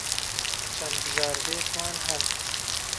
چەند بژاردەیەکمان ھەن.